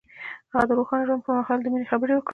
هغه د روښانه ژوند پر مهال د مینې خبرې وکړې.